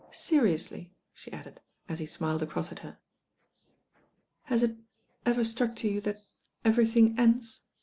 "Seriously," she added, as he smiled across at her. "Has it ever struck you that everything ends